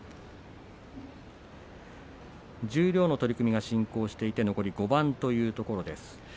十両の取組が進行していて残り５番というところです。